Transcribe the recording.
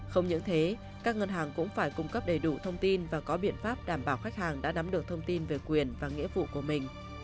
không những thế các ngân hàng cũng phải cung cấp đầy đủ thông tin và có biện pháp đảm bảo khách hàng đã nắm được thông tin về quyền và nghĩa vụ của mình